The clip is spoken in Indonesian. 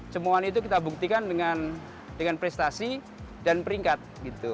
cemohan itu kita buktikan dengan prestasi dan peringkat gitu